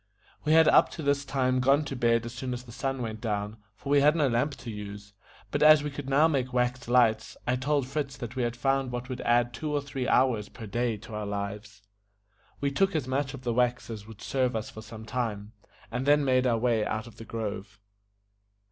We had up to this time gone to bed as soon as the sun went down, for we had no lamp to use; but as we could now make wax lights, I told Fritz that we had found what would add two or three hours per day to our lives. We took as much of the wax as would serve us for some time, and then made our way out of the grove.